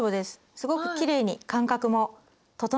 すごくきれいに間隔も整ってます。